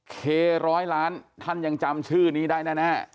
เคร้อยล้านท่านยังจำชื่อนี้ได้แน่